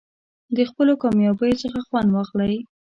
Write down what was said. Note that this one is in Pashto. د خپلو کامیابیو څخه خوند واخلئ.